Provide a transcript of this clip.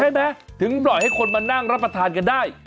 ถึงปล่อยให้คนมานั่งรับประทานกันได้